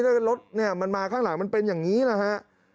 แล้วก็รถเนี่ยมันมาข้างหลังมันเป็นอย่างนี้แหละฮะ